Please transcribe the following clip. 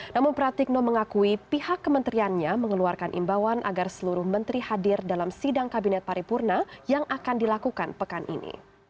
namun pratikno mengakui pihak kementeriannya mengeluarkan imbauan agar seluruh menteri hadir dalam sidang kabinet paripurna yang akan dilakukan pekan ini